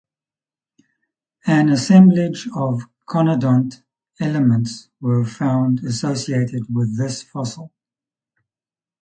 An assemblage of conodont elements were found associated with this fossil.